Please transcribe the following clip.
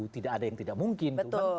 tidak ada yang tidak mungkin